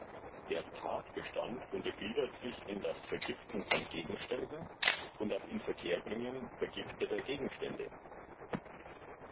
Der Tatbestand untergliedert sich in das Vergiften von Gegenständen und das Inverkehrbringen vergifteter Gegenstände.